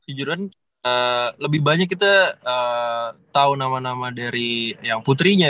jujur aja lebih banyak kita tau nama nama dari yang putrinya